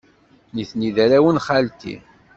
Nitni d arraw n xalti.